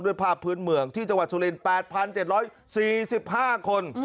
ภาพพื้นเมืองที่จังหวัดสุรินทร์๘๗๔๕คน